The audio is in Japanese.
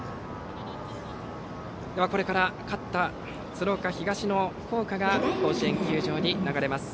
これから勝った鶴岡東の校歌が甲子園球場に流れます。